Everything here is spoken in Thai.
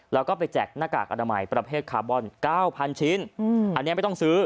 แล้วก็ไปแจกหน้ากากอนามัยประเภทคาร์บอน๙๐๐ชิ้นอันนี้ไม่ต้องซื้อ